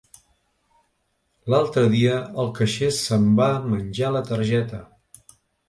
L,altre dia el caixer se,m va menjar la targeta.